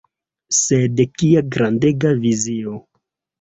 Sed kia grandega vizio!